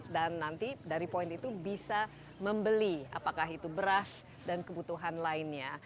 dan nanti dari poin itu bisa membeli apakah itu beras dan kebutuhan lainnya